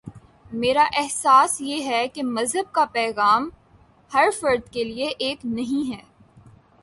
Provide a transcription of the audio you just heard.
میرا احساس یہ ہے کہ مذہب کا پیغام ہر فرد کے لیے ایک نہیں ہے۔